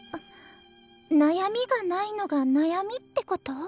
悩みがないのが悩みってこと？